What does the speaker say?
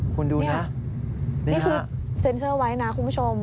คุณดูนะนี่คือเซ็นเซอร์ไว้นะคุณผู้ชม